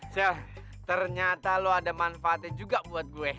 chef ternyata lo ada manfaatnya juga buat gue